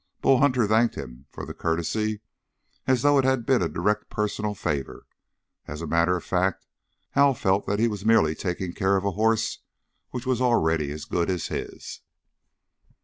Bull Hunter thanked him for the courtesy as though it had been a direct personal favor; as a matter of fact, Hal felt that he was merely taking care of a horse which was already as good as his.